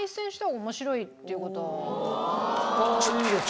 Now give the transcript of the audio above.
おおいいですね。